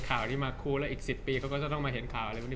ข่าวนี้มาคู่แล้วอีก๑๐ปีเขาก็จะต้องมาเห็นข่าวอะไรพวกนี้